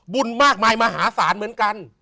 บุญมากมายมหาศาลเหมือนกัน